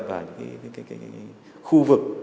về những khu vực